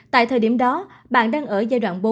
tại thời điểm đó bạn đang ở giai đoạn bốn